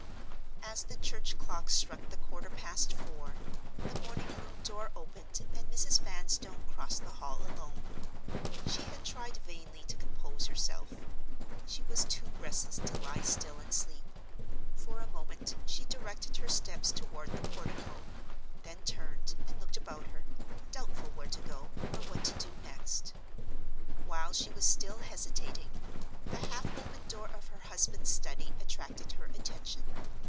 As the church clock struck the quarter past four, the morning room door opened; and Mrs. Vanstone crossed the hall alone. She had tried vainly to compose herself. She was too restless to lie still and sleep. For a moment she directed her steps toward the portico—then turned, and looked about her, doubtful where to go, or what to do next. While she was still hesitating, the half open door of her husband's study attracted her attention.